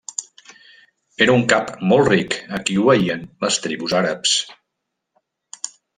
Era un cap molt ric a qui obeïen les tribus àrabs.